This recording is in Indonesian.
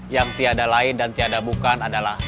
yang tiada lain dan tiada bukan adalah